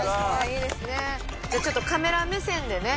じゃあちょっとカメラ目線でね